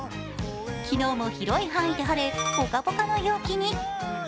昨日も広い範囲で晴れ、ぽかぽかの陽気に。